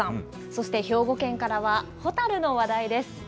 そして兵庫県からは蛍の話題です。